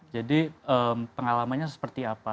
jadi pengalamannya seperti apa